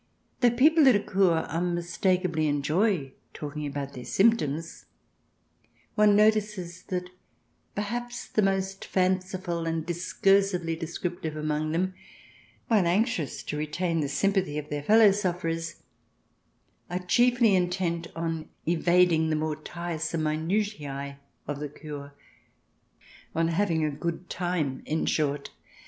Though people at a Kur unmistakably enjoy talking about their symptoms, one notices that perhaps the most fanciful and discursively descrip tive among them, while anxious to retain the sympathy of their fellow sufferers, are chiefly intent on evading the more tiresome minutiae of the cure 92 THE DESIRABLE ALIEN [ch. vii — on having a good time, in short.